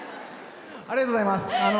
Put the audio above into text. ありがとうございます。